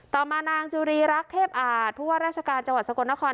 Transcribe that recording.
ต่อมานางจุรีรักเทพอาจผู้ว่าราชการจังหวัดสกลนคร